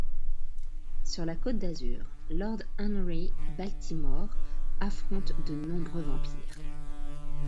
Sur la côté d'azur, Lord Henry Baltimore affronte de nombreux vampires.